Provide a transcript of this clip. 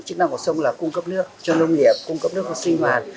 chức năng của sông là cung cấp nước cho nông nghiệp cung cấp nước và sinh hoạt